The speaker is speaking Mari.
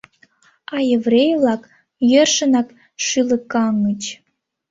А еврей-влак йӧршынак шӱлыкаҥыч.